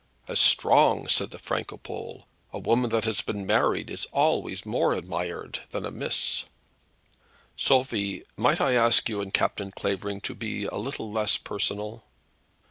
"As strong!" said the Franco Pole. "A woman that has been married is always more admired than a meess." "Sophie, might I ask you and Captain Clavering to be a little less personal?"